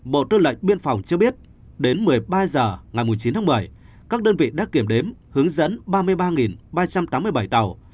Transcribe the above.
bộ tư lệnh biên phòng cho biết đến một mươi ba h ngày chín tháng bảy các đơn vị đã kiểm đếm hướng dẫn ba mươi ba ba trăm tám mươi bảy tàu